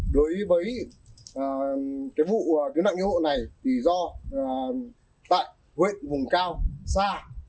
đối với cái vụ cứu nạn cứu hộ này thì do tại huyện vùng cao xa